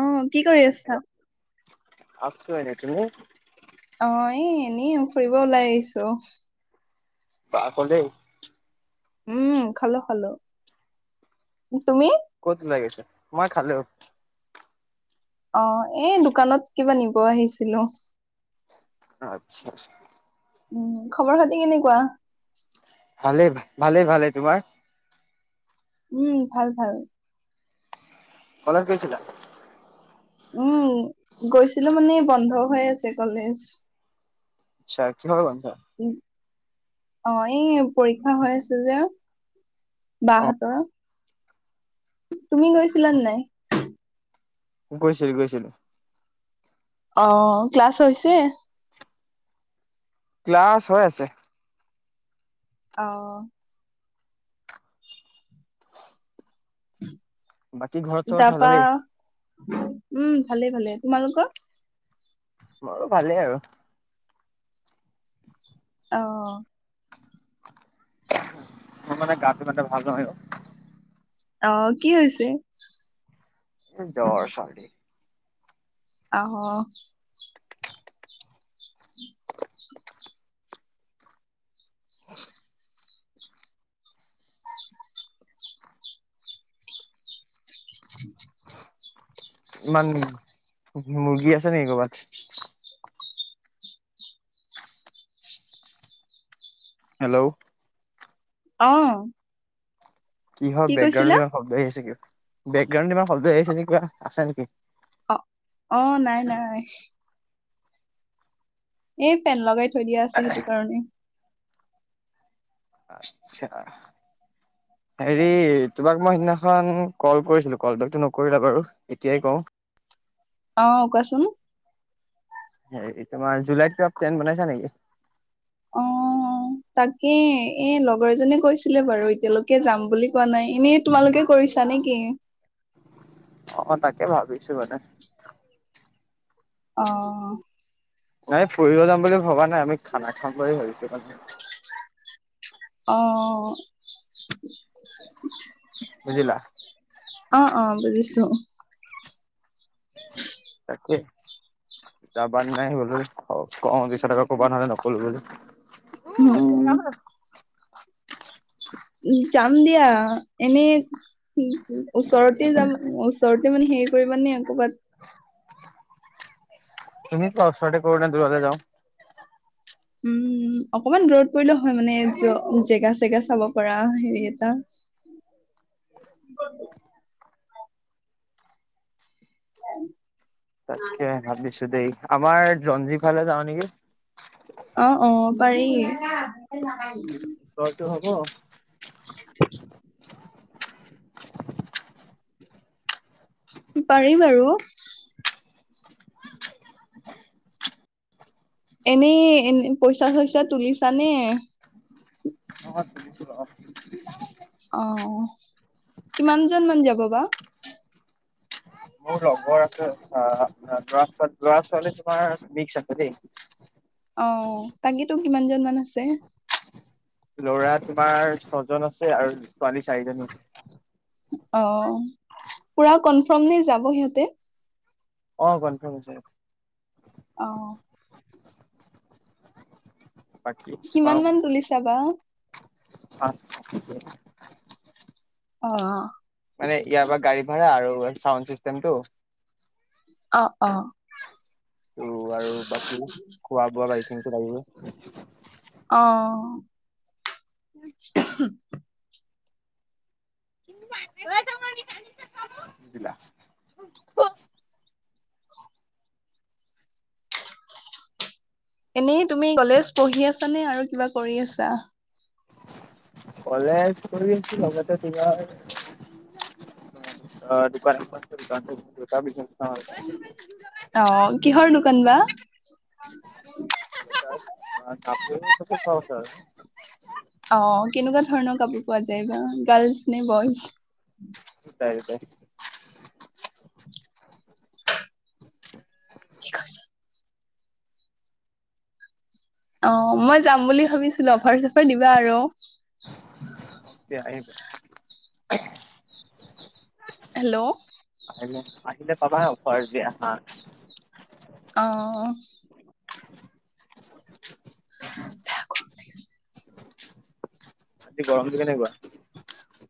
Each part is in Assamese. অহ কি কৰি আছা? আছো এনেই তুমি? অহ, এই এনেই ফুৰিব ওলাই আহিছো। [unintelligible] উম, খালো -খালো তুমি? ক'ত লাগিছে মই খালেও। অহ এ দোকানত কিবা নিব আহিছিলো। আতছা। উম, খবৰ খাতি কেনেকুৱা? ভালে-ভালে -ভালে তোমাৰ? উম, ভাল- ভাল। কলেজ গৈছিলা? উম গৈছিলো মানে বন্ধ হৈ আছে কলেজ। আচ্ছা আচ্ছা হোৱা অ এই পৰীক্ষা হৈ আছে যে । বা অ হেতৰ তুমি গৈছিলা নে নাই? গৈছিলো গৈছিলো। অ ক্লাছ হৈছে । ক্লাছ হৈ আছে । অহ [inaudible] বাকী ঘৰত চবৰ তাৰপা ভালেই? উম ভালে ভালে তোমালোকৰ? মোৰো ভালেই আৰু? অহ মোৰ মানে গাটো গাতে ভাল নহয় অ । অ কি হৈছে? এ জ্বৰ চৰ্দি । অহ [inaudible] [inaudible] ইমান মুৰ্গী আছে নেকি ক'বাত? হেল্ল' । অ কিহৰ কি কৈছিলা? বেকগ্ৰাউণ্ডত ইমান শব্দ আহিছে কিবা বেকগ্ৰাউণ্ডত ইমান শব্দ আহিছে নে কিবা আছে নেকি? অ অ নাই নাই। এ ফেন লগাই থৈ দিয়া আছে সেইটো কাৰণে। আচ্ছা। হেৰি তোমাক মই সেইদিনাখন কল কৰিছিলো কল বেকটো নকৰিলা বাৰু এতিয়াই কওঁ অ কোৱাচোন । এইটোমাৰ জুলাইত কিবা প্লেন বনাইছে নেকি? অ তাকে এ লগৰ এজনে কৈছিলে বাৰু এতিয়ালৈকে যাম বুলি কোৱা নাই এনেই তোমালোকে কৰিছা ছা নেকি? অ তাকে ভাবিছো মানে। অ নাই ফুৰিব যাম বুলি ভবা নাই আমি খানা খাম বুলি ভাবছো। অ বুজিলা। অ অ বুজিছো তাকে। যাবান নাই ব ক দুইশ টকা কবা হলে নক'লো বুলি উম [unintelligible] উম যা যাম দিয়া এনেই ওচৰতে যাম ওচৰতে মানে হেৰি কৰিব নে কবাত। তুমি কোৱা চাইদে কৰবাত দূৰতে যাওঁ । উম অকমান দূৰত পৰিলে হয় মানে জেগা চেগা চাব পৰা হেৰি এটা। [inaudible] [inaudible] তাকে ভাবিছো দেই আমাৰ জঞ্জিৱ ফালে যাওঁ নেকি? অ অ পাৰি। ত এইটো হব? পাৰি বাৰু। এনেই এনে পইচা চইচা তুলিছানে? অ' কিমানজন মান যাব বা? মোৰ লগৰ আছে অ ল'ৰা ছোৱালী ল'ৰা ছোৱালী তোমাৰ মিক্স আছে দেই। অ' তাকেতো কিমান জন মান আছে? ল'ৰা তোমাৰ ছজন আছে আৰু ছোৱালী চাৰিজনী । অ' পুৰা কনফ্ৰম নে যাব সিহঁতে? অ' কনফ্ৰম হৈছে। অ'। বাকী কিমান তোমাৰ মান তুলিছা বা? [unintelligible] অ'। মানে ইয়াৰ পৰা গাড়ী ভাড়া আৰু চাউণ্ড চিষ্টেমটো অ' অ'। ত' আৰু বাকী খোৱা বোৱা বাকী খিনিতো লাগিব। অ'। ওমহো [unintelligible] এনেই তুমি কলেজ পঢ়ি আছা নে আৰু কিবা কৰি আছা? কলেজ কৰি আছো লগতে তোমাৰ অ দোকান এখন আছে অ কিহৰ দোকান বা? [unintelligible] [unintelligible] অ কেনেকোৱা ধৰণৰ কাপোৰ পোৱা যায় বা গাৰ্লছ নে বইজ? [unintelligible] ঠিক আছে। অ মই যাম বুলি ভাবিছিলোঁ অফাৰ চফাৰ দিবা আৰু। আহিবা । হেল্ল আহিলে পাবা অফাৰ দিয়া হাঁহ অ'। বেয়া গৰম লাগিছে। আজি গৰমটো কেনেকুৱা?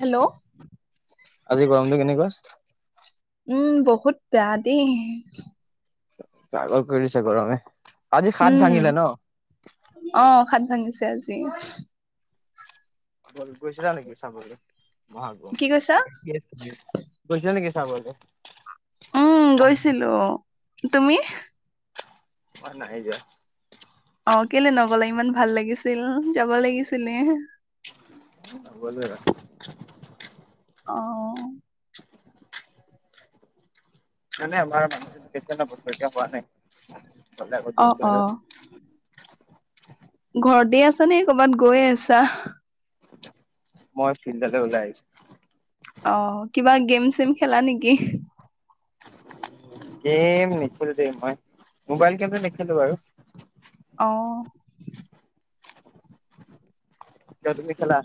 হেল্ল'। আজি গৰমটো কেনেকোৱা? উম বহুত বেয়া দেই। পাগল কৰি দিছে গৰমে, আজি সাত উম ভাঙিলে ন? অ সাত ভাঙিছে আজি। গৈছিলা নেকি চাবলে মহা কি কৈছা গৈছা নেকি? চাবলে। উম গৈছিলো তুমি? অ নাই যোৱা। অ কেলে নগলে ইমান ভাল লাগিছিল যাব লাগিছিলে। [unintelligible] অ'। নাই নাই আমাৰ [unintelligible] হোৱা অ নাই। অ [unintelligible] ঘৰতে আছা নে কৰ'বাত গৈয়ে আছা মই ফিল্ডলে ওলাই আহিছোঁ। অ কিবা গেম চেম খেলা নেকি? গেম নেখেলো দেই মই মোবাইল গেমটো নেখেলো বাৰু। অহ । কিয় তুমি খেলা?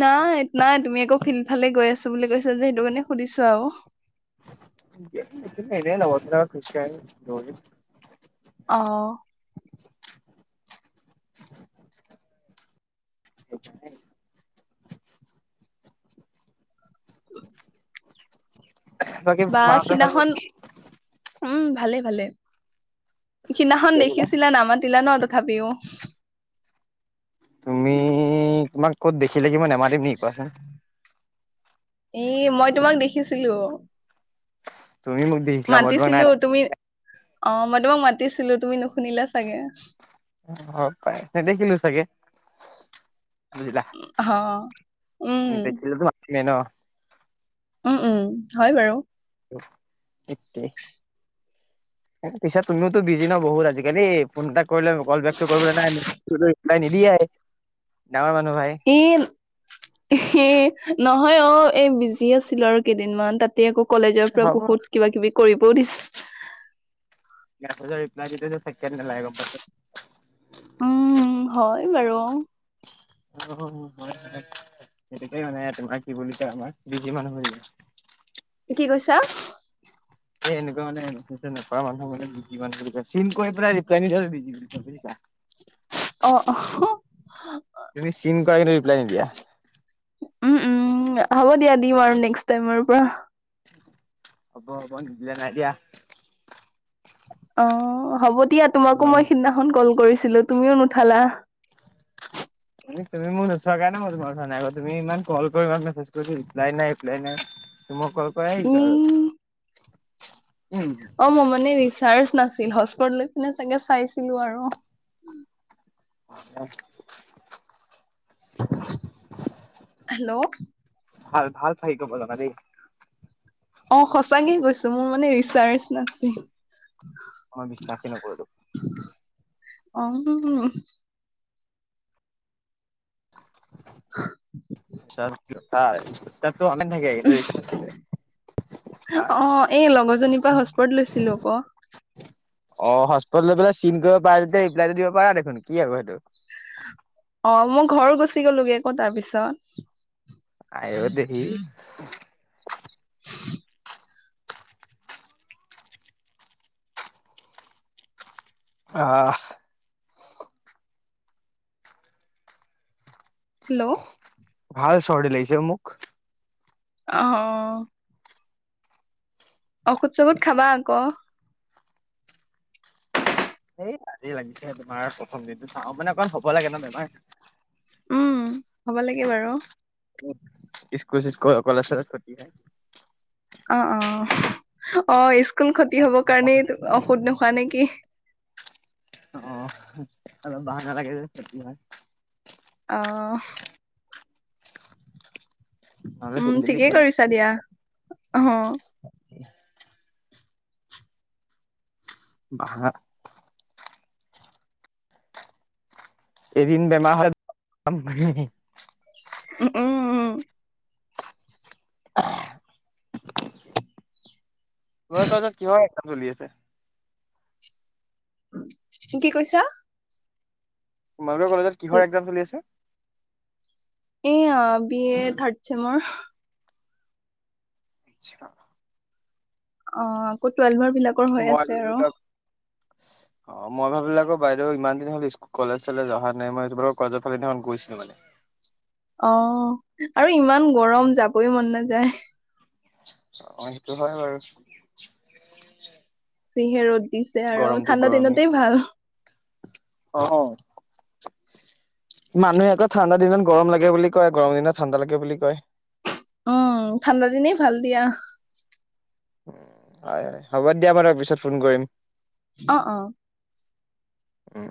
নাই নাই তুমি আকৌ ফিল্ড ফালে গৈ আছো বুলি কৈছা যে সেইটো কাৰণে সুধিছো আৰু। [unintelligible] এনে নহুধা আহ। [inaudible] এ [unintelligible] উ [unintelligible] বাকী বা মাহঁতৰ সিদিনাখন। উম ভালে ভালে, সিদিনাখন ভাল দেখিছিলা নামত ছিলা ন তথাপিও। তুমি তোমাক ক'ত দেখিলে কিবা নেমাতিম নেকি কোৱাচোন? এ মই তোমাক দেখিছিলো। তুমি মোক দেখিছিলা মই তোমাক নাই মাতিছিলো দেখা তুমি অ মই তোমাক মাতিছিলো তুমি নুশুনিলা চাগে। পাই নেদেখিলো চাগে। বুজিলা অ উম বেছিলাতো মাতিছিলে ন। উম উম হয় বাৰু। এতিয়া। পিছত তুমিওতো বিজি ন বহুত আজিকালি, পোন তাক কৰিব কৰিব [unintelligible] [inaudible] নাই নিদিয় এ, এ নহয় অ এ বিজি আছিলো আৰু কেইদিনমান তাত ত আকৌ কলেজৰ পৰা হ'ব। বহুত কিবা কিবি কৰিবও দিছে। গ ৰিপ্লাই দিলে ছেকেণ্ড নালাগে গম পাইছ? উম হয় বাৰু। ম সেইটোকেই মানে তোমাৰ কি বুলি কয় আমাৰ বিজি মানুহ হয় । কি কৈছা? এ এনেকুৱা মানে নাপাও মানুহ মানে চিম কৰি পেলাই ৰিপলাই কৰি থৈদিবি। কৰিছা। অ অ তুমি চিন ক ৰিপ্লাই নিদিয়া। উম উম হ'ব দিয়া দিম আৰু নেক্সট টাইমৰ পৰা। হব হব নিদিলে নাই দিয়া। অ হ'ব দিয়া তোমাকো ইমান মই সিদিনাখন কল কৰিছো। ছিলো তুমিও নুঠালা। তুমি মোক নোচোৱা কে ন মই তোমাৰ কথা নাই আকৌ তুমি ইমান কল কৰি মেছেজ কৰি ৰিপ্লাই নাই ৰিপ্লাই নাই? মই কল ই কৰাই উম। অ মই মানে ৰিচাৰ্চ নাছিল হস্পট লৈ পিনে চাগে চাইছিলো আৰু। অ। [inaudible] হেল্ল'! ভাল ভাল ফাকী কব জানা দেই । অ সঁচাকে কৈছো মোৰ মানে ৰিচাৰ্চ নাছিল। মই বিশ্বাসেই নকৰো। অ হুম হুম উ চ তো অম নাকেন্ত [unintelligible] অ এই লগৰজনীৰ পৰা হস্পৰ্ট লৈছিলো ক। অ হস্পট লৈ পেলাই চিন কৰিব পাৰা যেতিয়া ৰিপ্লাইটো দিব পাৰা দেখোন কি আকৌ সেইটো। অ মই ঘৰ গুচি গ'লোগে আকৌ তাৰপিছত। আঐ দেহি। [unintelligible] আহ। হেল্ল', ভাল চৰ্দি লাগিছে মোক। আ- অহ ঔষধ চৌখত খাবা আকৌ। এইত আজি লাগিছে তোমাৰ প্ৰথম দিনটো চাওঁ মানে অকমান হ'ব লাগে ন' বেমাৰ। উম, হব লাগে বাৰু। ইস্কো-চিস্কো অকল আছে [unintelligible] অহ -অহ অ', স্কুল ক্ষতি হব কাৰণে টো ঔষধ নোখোৱা নেকি? কি অহ, আৰু বাহ নালাগে যে কেতিয়াবাই। অহ নহ'লে উম, ডেইলি ডেইলি ঠিকেই কলেজ কৰিছা দিয়া অহ । বাহ এদিন বেমাৰ হলে [unintelligible] উম - উম - উম। [inaudible] [unintelligible] কি কৈছা? তোমালোকৰ কলেজত কিহৰ এক্জাম চলি আছে? এ বি এ থাৰ্ড চছেমৰ আচ্ছা। অহ, আকৌ টুৱেলভৰ বিলাকৰ হৈ মই আছে আৰু। ভাবিলো অ' মই ভাবিলোঁ আক', বাইদই ইমান দিন হ'ল, ইস্ক- কলেজ-চলেচ অহা নাই। মই সেইটো বাৰু কলেজৰ ফালে সেদিনাখন গৈছিলোঁ মানে। [inaudible] অ' । আৰু ইমান গৰম, যাবই মন নাযায়। অ' সেইটো হয় বাৰু। যিহে ৰ'দ দিছে আৰু । গৰমটো ঠাণ্ডা গৰমেই। দিনতেই ভাল। অ [inaudible] মানুহে আক ঠাণ্ডা দিনত গৰম লাগে বুলি কয় গৰম দিনত ঠাণ্ডা লাগে বুলি কয়। উম, ঠাণ্ডা দিনে ভাল দিয়া। হয় -হয় হ'ব দিয়া বাৰু পিছত ফোন কৰিম। অ' - অ'। উম